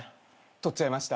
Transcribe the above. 取っちゃいました。